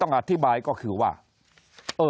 คนในวงการสื่อ๓๐องค์กร